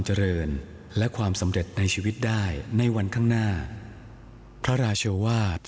เจริญและความสำเร็จในชีวิตได้ในวันข้างหน้าพระราชวาส